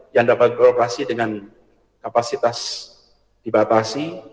yang dapat beroperasi dengan kapasitas dibatasi